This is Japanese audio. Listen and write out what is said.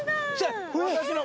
私の。